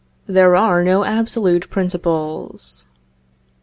"THERE ARE NO ABSOLUTE PRINCIPLES."